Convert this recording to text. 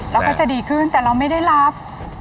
แล้วเขาจะดีขึ้นแต่เราไม่ได้รับ